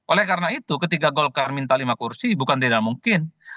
oleh karena itu ketika golkar minta lima kursi bukan tidak mungkin